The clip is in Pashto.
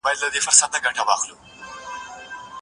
هغه د خپل استازي له لارې د انگلیس درغلنه څرګنده کړه.